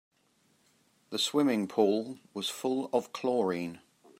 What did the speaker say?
The swimming pool was full of chlorine.